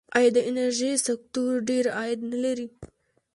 آیا د انرژۍ سکتور ډیر عاید نلري؟